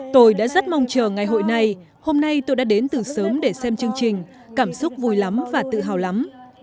tôi đã rất mong chờ ngày hội này hôm nay tôi đã đến từ sớm để xem chương trình cảm xúc vui lắm và tự hào lắm